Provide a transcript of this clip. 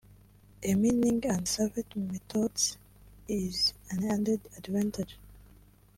e mining and safety methods is an added advantage